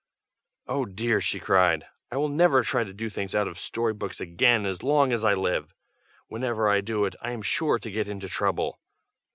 "Oh dear!" she cried, "I will never try to do things out of story books again as long as I live. Whenever I do it, I am sure to get into trouble.